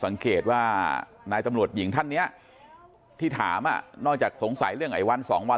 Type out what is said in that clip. สังเกตว่านายตำรวจหญิงท่านเนี่ยที่ถามนอกจากสงสัยเรื่องไอ้วันสองวัน